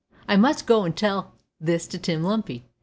I must go an' tell this to Tim Lumpy.